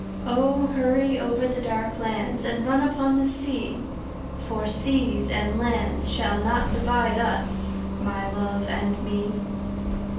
O, hurry over the dark lands And run upon the sea For seas and lands shall not divide us My love and me.